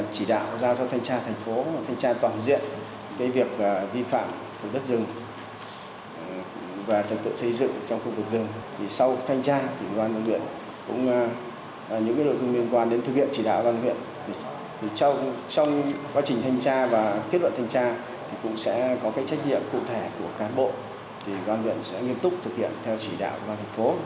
chỉ đạo giao cho thanh tra thành phố thanh tra toàn diện cái việc vi phạm đất rừng và trật tự xây dựng trong khu vực rừng